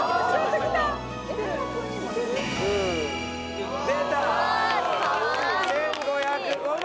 １５０５枚。